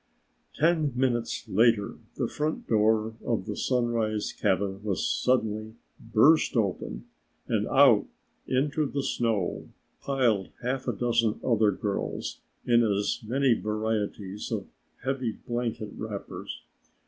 Ten minutes later the front door of the Sunrise cabin was suddenly burst open and out into the snow piled half a dozen other girls in as many varieties of heavy blanket wrappers.